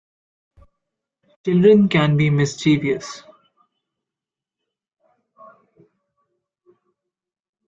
Children can be mischievous.